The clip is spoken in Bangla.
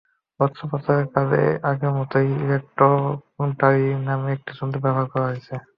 অস্ত্রোপচারের কাজে আগের মতোই ইলেকট্রো কটারি নামের একটি যন্ত্র ব্যবহার করা হয়েছে।